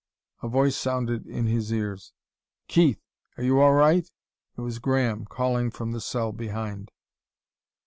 A voice sounded in his ears: "Keith? Are you all right?" It was Graham, calling from the cell behind.